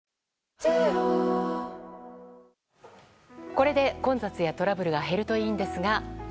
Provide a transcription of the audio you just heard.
これで混雑やトラブルが減るといいんですが。